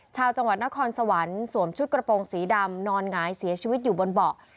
ชาวจังหวัดนครสวรรค์สวมชุดกระโปรงสีดำนอนหงายเสียชีวิตอยู่บนเบาะ